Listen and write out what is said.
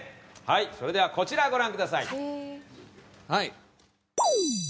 それではこちらをご覧ください。